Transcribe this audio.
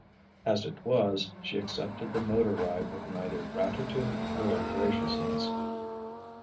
As it was, she accepted the motor ride with neither gratitude nor graciousness.